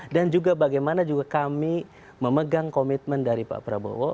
dan juga bagaimana juga kami memegang komitmen dari pak prabowo